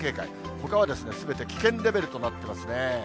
ほかはですね、すべて危険レベルとなっていますね。